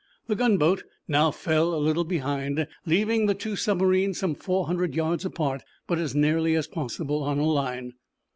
The gunboat now fell a little behind, leaving the two submarines some four hundred yards apart, but as nearly as possible on a line.